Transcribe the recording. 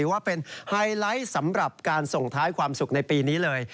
ว่าเป็นไฮไลท์สำหรับการส่งท้ายความสุขในปีนี้เลย